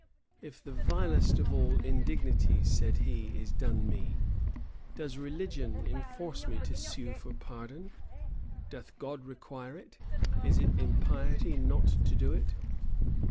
"If the vilest of all indignities," said he, "is done me, does religion enforce me to sue for pardon? Doth God require it? Is it impiety not to do it?